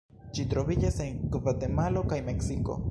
Ĝi troviĝas en Gvatemalo kaj Meksiko.